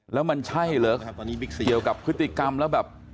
แล้วมันใช่เหรอเกี่ยวกับพฤติกรรมแล้วแบบ